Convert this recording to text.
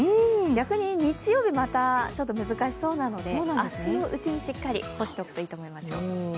逆に日曜日、また難しそうなので、明日のうちに、しっかり干しておくといいと思いますよ。